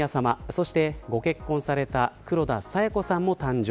そして、ご結婚された黒田清子さんも誕生。